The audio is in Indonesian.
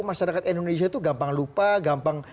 masyarakat indonesia itu gampang lupa gampang